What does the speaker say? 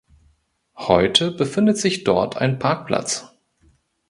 Heute befindet sich dort ein Parkplatz.